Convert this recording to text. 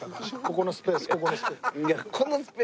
このスペース。